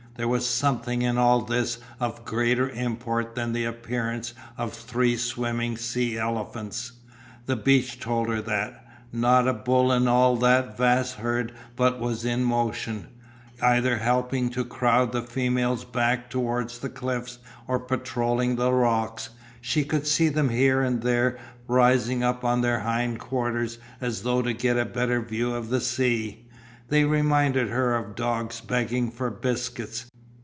There was something in all this of greater import than the appearance of three swimming sea elephants. The beach told her that. Not a bull in all that vast herd but was in motion, either helping to crowd the females back towards the cliffs or patrolling the rocks. She could see them here and there rising up on their hind quarters as though to get a better view of the sea. They reminded her of dogs begging for biscuits.